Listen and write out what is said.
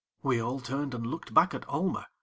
We all turned and looked back at Almer.